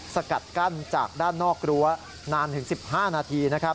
สกัดกั้นจากด้านนอกรั้วนานถึง๑๕นาทีนะครับ